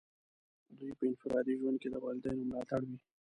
دوی په انفرادي ژوند کې د والدینو ملاتړ وي.